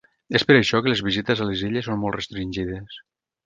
És per això que les visites a les illes són molt restringides.